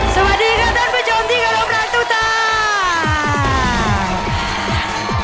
สวัสดีค่ะท่านผู้ชมที่กระโลกร้างตู้ตาม